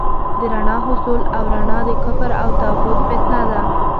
د رڼا حصول او رڼا د کفر او طاغوت فتنه ده.